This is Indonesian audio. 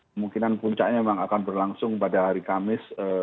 kemungkinan puncaknya memang akan berlangsung pada hari kamis